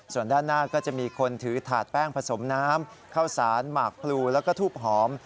ส่วนด้านหน้าก็จะมีคนถือถาดแป้งผสมน้ำข้าวสารหมากพลูแล้วก็ทูบหอม